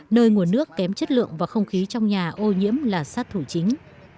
nơi nguồn nước kém chất lượng và không khí trong nhà ô nhiễm là sát thủ chính